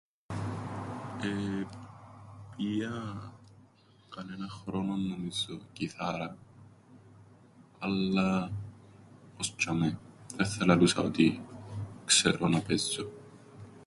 Επήα κανέναν χρόνον νομίζω κιθάραν, αλλά... ώς τζ̆ειαμαί. Έθθα ελαλούσα ότι ξέρω να παίζω.